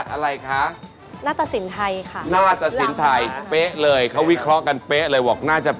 โดยตรงเลยพ่อ